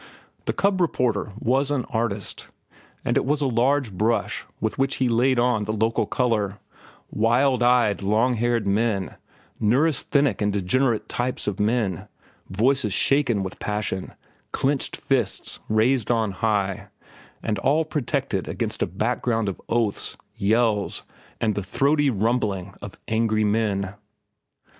The cub reporter was an artist, and it was a large brush with which he laid on the local color—wild eyed long haired men, neurasthenic and degenerate types of men, voices shaken with passion, clenched fists raised on high, and all projected against a background of oaths, yells, and the throaty rumbling of angry men.